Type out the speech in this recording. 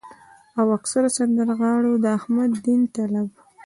او اکثره سندرغاړو د احمد دين طالب